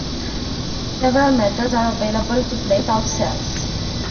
Several methods are available to plate out cells.